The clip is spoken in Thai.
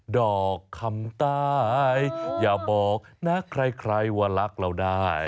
ดอกคำใต้อย่าบอกนะใครว่ารักเราได้